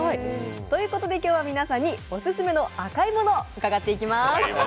ということで今日は皆さんにオススメの赤いもの伺っていきます。